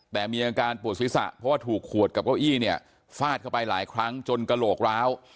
แต่มีอาการปวดศีรษะเพราะว่าถูกขวดกับเก้าอี้เนี่ยฟาดเข้าไปหลายครั้งจนกระโหลกร้าว